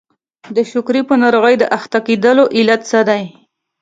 د شکرې په ناروغۍ د اخته کېدلو علت څه دی؟